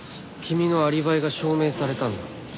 君のアリバイが証明されたんだ。